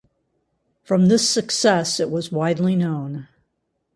From this success it was widely known.